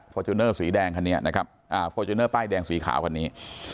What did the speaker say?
จูเนอร์สีแดงคันนี้นะครับฟอร์จูเนอร์ป้ายแดงสีขาวคันนี้